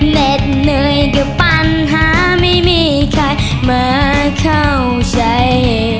เห็ดเหนื่อยกับปัญหาไม่มีใครมาเข้าใจ